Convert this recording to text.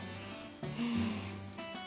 うん。